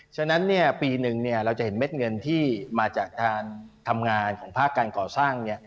ฉะนั้นปีหนึ่งเราจะเห็นเม็ดเงินที่มาจากการทำงานของภาคการก่อสร้าง